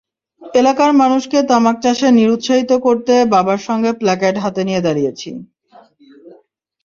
এলাকার মানুষকে তামাক চাষে নিরুৎসাহিত করতে বাবার সঙ্গে প্ল্যাকার্ড হাতে নিয়ে দাঁড়িয়েছি।